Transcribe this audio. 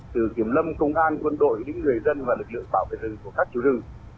từ kiểm lâm công an quân đội những người dân và lực lượng tạo về rừng của các chủ rừng